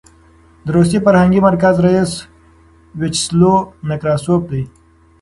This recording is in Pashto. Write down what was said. د روسي فرهنګي مرکز رییس ویچسلو نکراسوف دی.